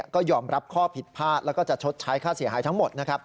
ก็ยอมรับข้อผิดพลาดแล้วก็จะชดใช้ค่าเสียหายทั้งหมดนะครับ